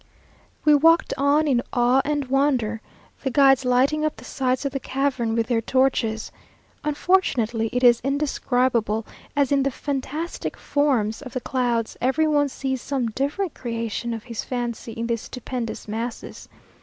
We walked on in awe and wonder, the guides lighting up the sides of the cavern with their torches. Unfortunately, it is indescribable; as in the fantastic forms of the clouds, every one sees some different creation of his fancy in these stupendous masses.